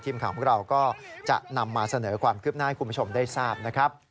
ทีมข่าวของเราก็จะนำมาเสนอความคืบหน้าให้คุณผู้ชมได้ทราบนะครับ